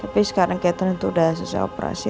tapi sekarang ketan itu udah susah operasi